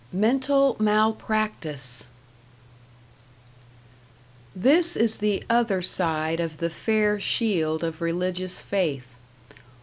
#Mental Malpractice# This is the other side of the fair shield of religious faith.